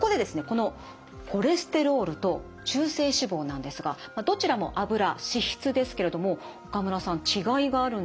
このコレステロールと中性脂肪なんですがどちらも脂脂質ですけれども岡村さん違いがあるんですよね。